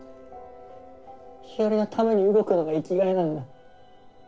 日和のために動くのが生き甲斐なんだ。